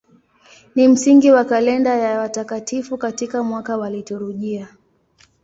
Ni msingi wa kalenda ya watakatifu katika mwaka wa liturujia.